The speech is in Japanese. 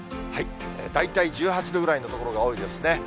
大体１８度ぐらいの所が多いですね。